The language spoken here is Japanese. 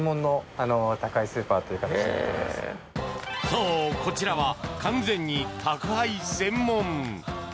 そう、こちらは完全に宅配専門。